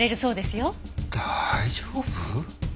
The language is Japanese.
大丈夫？